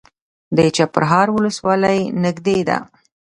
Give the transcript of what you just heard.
چپرهار ولسوالۍ نږدې ده؟